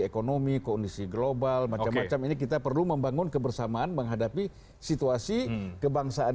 ekonomi kondisi global macam macam ini kita perlu membangun kebersamaan menghadapi situasi kebangsaan